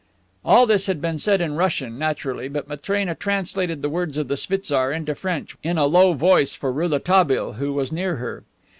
All this had been said in Russian, naturally, but Matrena translated the words of the schwitzar into French in a low voice for Rouletabille, who was near her.